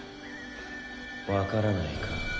わからないか？